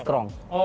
karena dia strong